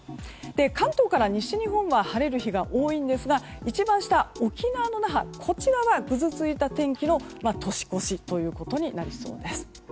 関東から西日本は晴れる日が多いんですが一番下、沖縄の那覇はぐずついた天気の年越しとなりそうです。